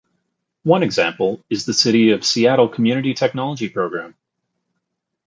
One example is the City of Seattle Community Technology Program.